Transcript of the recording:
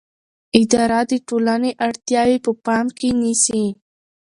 اداره د ټولنې اړتیاوې په پام کې نیسي.